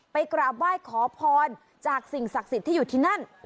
กราบไหว้ขอพรจากสิ่งศักดิ์สิทธิ์ที่อยู่ที่นั่น